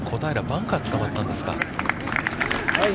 バンカー、つかまったんですか。